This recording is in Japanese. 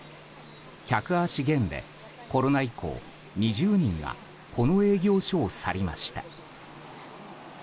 客足減でコロナ以降２０人がこの営業所を去りました。